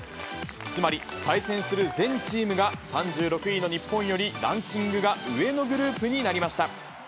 つまり、対戦する全チームが３６位の日本よりランキングが上のグループになりました。